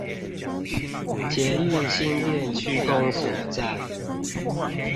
捷運新店區公所站